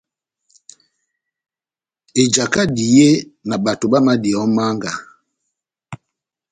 Ejaka ehidiye na bato bámadiyɛ ó manga,